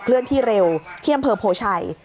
เลื่อนที่เร็วเค็มเพิร์งโพชัย